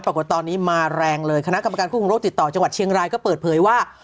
ปรากฏตอนนี้มาแรงเลยคณะกรรมการควบคุมโรคติดต่อจังหวัดเชียงรายก็เปิดเผยว่า